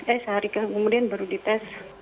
eh sehari kemudian baru di tes